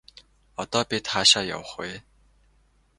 Одоо бид хаашаа явах вэ?